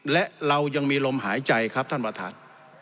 และเรายังมีลมหายใจครับท่านประธาน